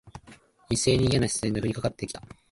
一斉にいやな視線が降りかかって来た。